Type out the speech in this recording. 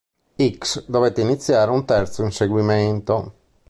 Ickx dovette iniziare un terzo inseguimento.